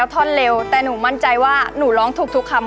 เกิดเสียแฟนไปช่วยไม่ได้นะ